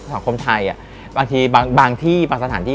สังคมไทยบางทีบางที่บางสถานที่